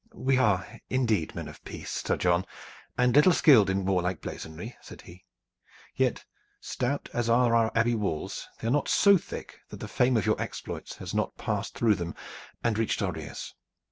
"We are indeed men of peace, Sir John, and little skilled in warlike blazonry," said he; "yet stout as are our Abbey walls, they are not so thick that the fame of your exploits has not passed through them and reached our ears.